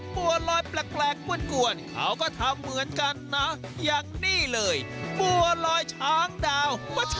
บัวลอยแปลกกวนเขาก็ทำเหมือนกันนะอย่างนี้เลยบัวลอยช้างดาว